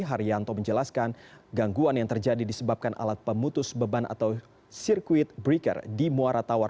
haryanto menjelaskan gangguan yang terjadi disebabkan alat pemutus beban atau sirkuit breaker di muara tawar